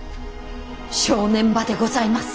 正念場でございます。